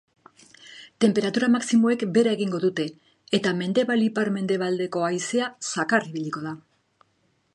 Tenperatura maximoek behera egingo dute, eta mendebal ipar-mendebaldeko haizea zakar ibiliko da.